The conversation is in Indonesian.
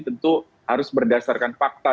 tentu harus berdasarkan fakta